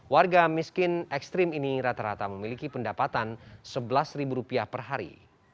warga miskin ekstrim ini rata rata memiliki pendapatan rp sebelas per hari